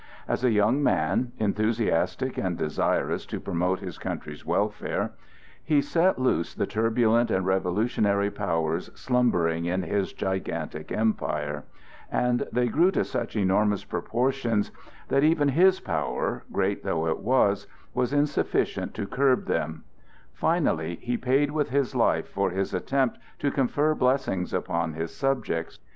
As a young man, enthusiastic and desirous to promote his country's welfare, he set loose the turbulent and revolutionary powers slumbering in his gigantic empire, and they grew to such enormous proportions that even his power, great though it was, was insufficient to curb them; finally he paid with his life for his attempt to confer blessings upon his subjects.